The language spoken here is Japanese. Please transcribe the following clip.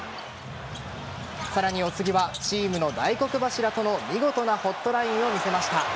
さらにお次はチームの大黒柱との見事なホットラインを見せました。